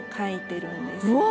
うわ。